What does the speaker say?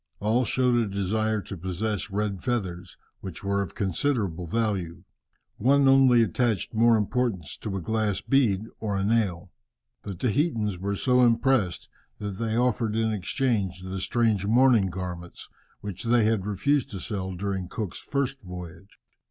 All showed a desire to possess red feathers, which were of considerable value. One only attached more importance to a glass bead or a nail. The Tahitans were so impressed that they offered in exchange the strange mourning garments, which they had refused to sell during Cook's first voyage.